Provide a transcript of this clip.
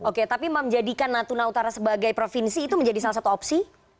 oke tapi menjadikan natuna utara sebagai provinsi itu menjadi salah satu opsi